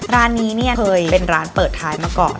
ร้านนี้เนี่ยเคยเป็นร้านเปิดท้ายมาก่อน